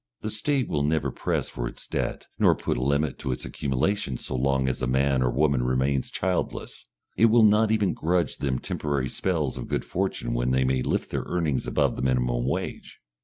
The State will never press for its debt, nor put a limit to its accumulation so long as a man or woman remains childless; it will not even grudge them temporary spells of good fortune when they may lift their earnings above the minimum wage.